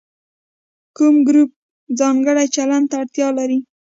کوم ګروپ ځانګړي چلند ته اړتیا لري.